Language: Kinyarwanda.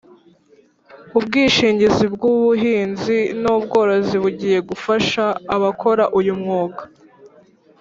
Ubwishingizi bwubuhinzi nubworozi bugiye gufasha abakora uyu mwuga